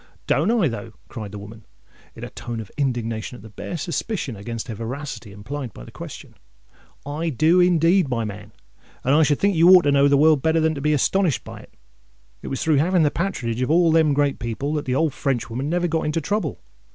"Don't I, though?" cried the woman, in a tone of indignation at the bare suspicion against her veracity implied by the question: "I do indeed, my man; and I should think you ought to know the world better than to be astonished at it. It was through having the patronage of all them great people, that the old Frenchwoman never got into trouble.